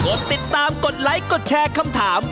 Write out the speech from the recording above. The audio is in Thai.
ดติดตามกดไลค์กดแชร์คำถาม